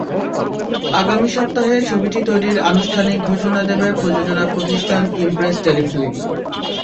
আগামী সপ্তাহে ছবিটি তৈরির আনুষ্ঠানিক ঘোষণা দেবে প্রযোজনা প্রতিষ্ঠান ইমপ্রেস টেলিফিল্ম।